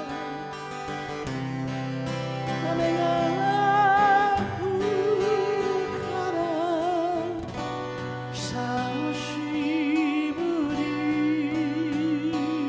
「雨が降るから久し振り」